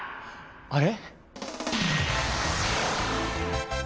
あれ？